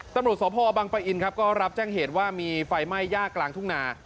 ตำรวจสพบังปะอินครับก็รับแจ้งเหตุว่ามีไฟไหม้ย่ากลางทุ่งนา